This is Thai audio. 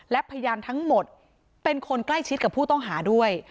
และพยานทั้งหมดเป็นคนใกล้ชิดกับผู้ต้องหาด้วย